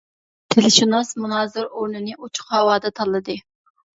تىلشۇناس مۇنازىرە ئورنىنى ئوچۇق ھاۋادا تاللىدى.